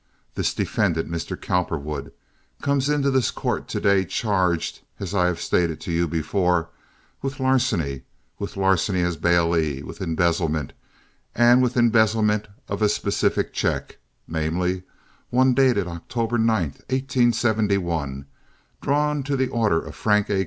This defendant, Mr. Cowperwood, comes into this court to day charged, as I have stated to you before, with larceny, with larceny as bailee, with embezzlement, and with embezzlement of a specific check—namely, one dated October 9, 1871, drawn to the order of Frank A.